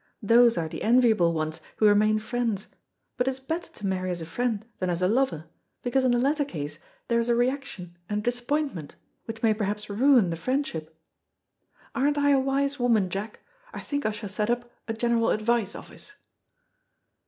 Those are the enviable ones who remain friends; but it is better to marry as a friend than as a lover, because in the latter case there is a reaction and a disappointment, which may perhaps ruin the friendship. Aren't I a wise woman, Jack? I think I shall set up a general advice office."